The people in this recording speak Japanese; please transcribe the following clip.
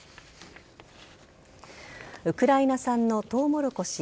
ウクライナ産のトウモロコシ